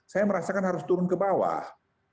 saya merasakan harus turun ke bawah